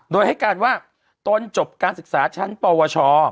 โดยให้การว่าตนจบการศึกษาชั้นปวช